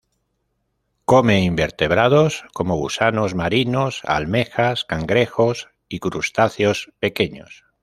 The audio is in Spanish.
Come invertebrados, como gusanos marinos, almejas, cangrejos y crustáceos pequeños.